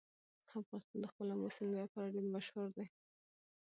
افغانستان د خپل آمو سیند لپاره ډېر مشهور دی.